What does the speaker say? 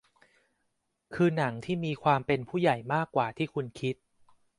คือหนังที่มีความเป็นผู้ใหญ่กว่าที่คุณคิด